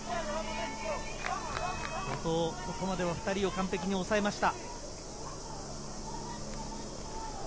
後藤、ここまでは２人を完璧に抑えました。